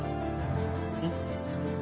うん？